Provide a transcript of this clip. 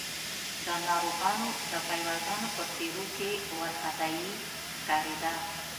د ناروغانو د پيوازانو په څېرو کې وارخطايي ښکارېده.